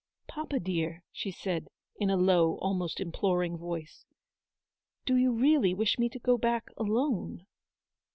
"Papa, dear," she said, in a low, almost im ploring voice, " do you really wish me to go back alone